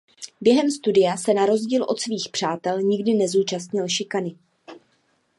Během studia se na rozdíl od svých přátel nikdy neúčastnil šikany.